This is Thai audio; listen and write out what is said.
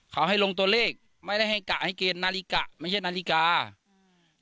เขาให้ลงตัวเลขไม่ได้ให้กะให้เกณฑ์นาฬิกะไม่ใช่นาฬิกาอืม